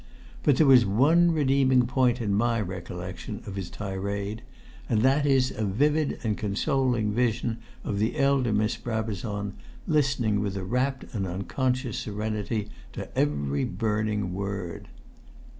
But there is one redeeming point in my recollection of his tirade. And that is a vivid and consoling vision of the elder Miss Brabazon, listening with a rapt and unconscious serenity to every burning word.